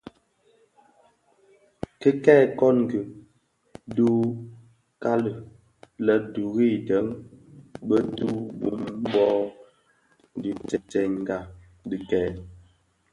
Ki kè kongi dhu kali lè duri ideň bituu bum bō dhubtèngai dikèè.